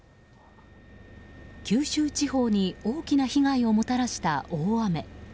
九州地方に大きな被害をもたらした大雨。